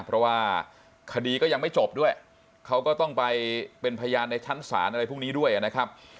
เพราะว่าคดีก็ยังไม่จบด้วยเขาก็ต้องไปเป็นพยานในชั้นศาลอะไรพวกนี้ด้วยนะครับ